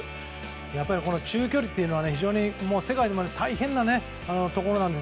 やっぱり中距離というのは非常に世界の中で大変なところなんです。